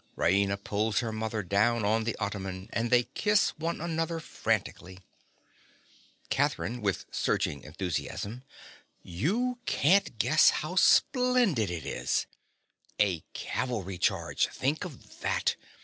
(Raina pulls her mother down on the ottoman; and they kiss one another frantically.) CATHERINE. (with surging enthusiasm). You can't guess how splendid it is. A cavalry charge—think of that!